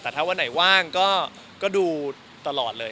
แต่ถ้าวันไหนว่างก็ดูตลอดเลย